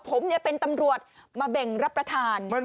ผมเป็นตำรวจมาเบ่งรับประทาน